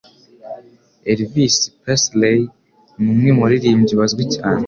Elvis Presley numwe mubaririmbyi bazwi cyane.